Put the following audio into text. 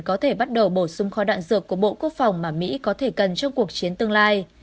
có thể bắt đầu bổ sung kho đạn dược của bộ quốc phòng mà mỹ có thể cần trong cuộc chiến tương lai